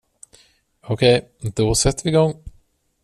Okej, då sätter vi igång.